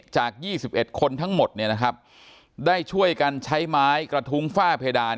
จาก๒๑คนทั้งหมดเนี่ยนะครับได้ช่วยกันใช้ไม้กระทุ้งฝ้าเพดาน